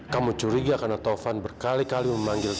kamu curiga karena taufan berkali kali memanggil